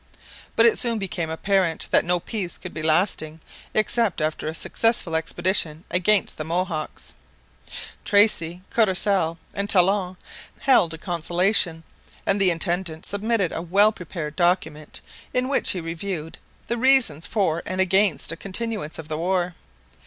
But it soon became apparent that no peace could be lasting except after a successful expedition against the Mohawks. Tracy, Courcelle, and Talon held a consultation, and the intendant submitted a well prepared document in which he reviewed the reasons for and against a continuance of the war.